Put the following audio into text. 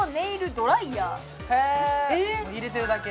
へえ入れてるだけ？